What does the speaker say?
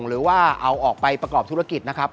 หรือว่าเอาออกไปประกอบธุรกิจนะครับ